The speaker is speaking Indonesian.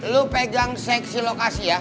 lu pegang seksi lokasi ya